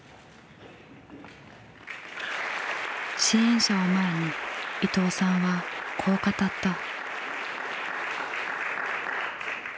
支援者を前に伊藤さんはこう語った。